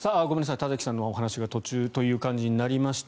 田崎さんのお話が途中という感じになりました。